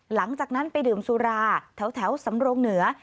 หลังจากนั้นไปดื่มสุราแถวสำรงเหนือ